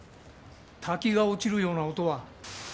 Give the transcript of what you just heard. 滝が落ちるような音は。